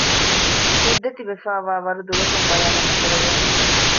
ހިތްދަތި ވެފައިވާވަރު ދުލަކުން ބަޔާނެއް ނުކުރެވޭނެ